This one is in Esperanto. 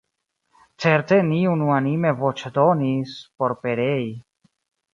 Certe ni unuanime voĉdonis por perei.